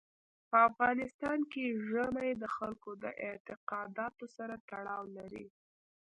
په افغانستان کې ژمی د خلکو د اعتقاداتو سره تړاو لري.